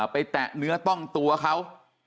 แตะเนื้อต้องตัวเขา